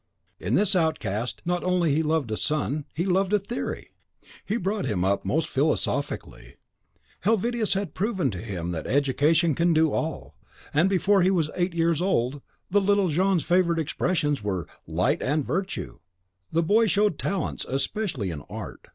In this outcast he not only loved a son, he loved a theory! He brought him up most philosophically. Helvetius had proved to him that education can do all; and before he was eight years old, the little Jean's favourite expressions were, "La lumiere et la vertu." (Light and virtue.) The boy showed talents, especially in art.